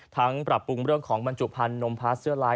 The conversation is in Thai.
ทั้งปรับปรุงเรื่องของบรรจุพันธุ์นมพัดเสื้อไร้